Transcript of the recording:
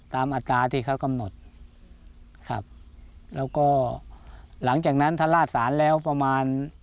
อัตราที่เขากำหนดครับแล้วก็หลังจากนั้นถ้าล่าสารแล้วประมาณ